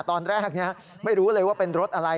ตอนแรกไม่รู้เลยว่าเป็นรถอะไร